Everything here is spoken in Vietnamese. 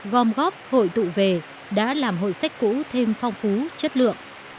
gom góp hội tụ về đã làm hội sách cũ thêm phong phú chất lượng